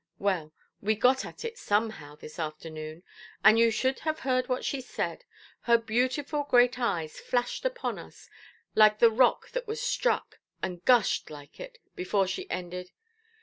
Well, we got at it somehow this afternoon; and you should have heard what she said. Her beautiful great eyes flashed upon us, like the rock that was struck, and gushed like it, before she ended.